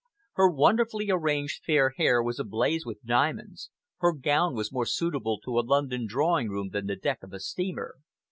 Her wonderfully arranged, fair hair was ablaze with diamonds, her gown was more suitable to a London drawing room than the deck of a steamer.